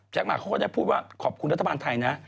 หมากเขาก็ได้พูดว่าขอบคุณรัฐบาลไทยนะ